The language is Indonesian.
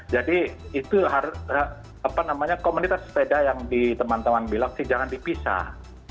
jadi komunitas sepeda yang teman teman bilang jangan dipisah